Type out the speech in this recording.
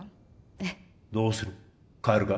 ええどうする帰るか？